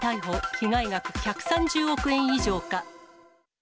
被害額１３０億円以上か。